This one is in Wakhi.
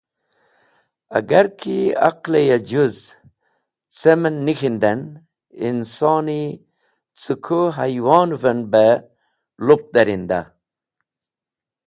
Agar ki aql-e ya jũz cam en nik̃hinden, insoni cẽ kũ haywon’v en be lup darinda.